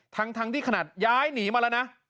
ทั้งที่ขนาดย้ายหนีมาแล้วนะ